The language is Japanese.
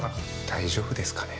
大丈夫ですかね？